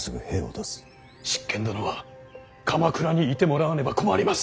執権殿は鎌倉にいてもらわねば困ります！